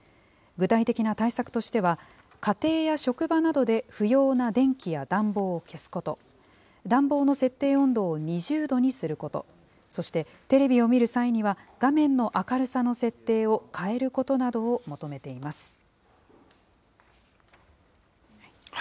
具体的な対策としては、家庭や職場などで不要な電気や暖房を消すこと、暖房の設定温度を２０度にすること、そして、テレビを見る際には、画面の明るさの設定を変えることなどを求めています。